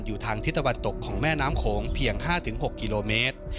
ทางทิศตะวันตกของแม่น้ำโขงเพียง๕๖กิโลเมตร